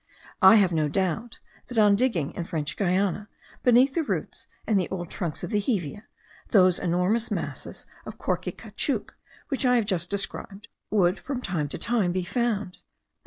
I have no doubt, that on digging in French Guiana beneath the roots and the old trunks of the hevea, those enormous masses of corky caoutchouc,* which I have just described, would from time to time be found.